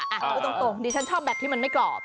พูดตรงดิฉันชอบแบบที่มันไม่กรอบ